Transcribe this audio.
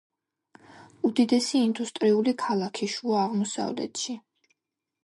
უდიდესი ინდუსტრიული ქალაქი შუა აღმოსავლეთში.